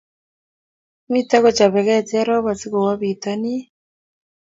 mito kochapegee cherop asigowo bitonin